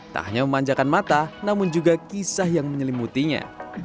tak hanya memanjakan mata namun juga kisah yang menyelimutinya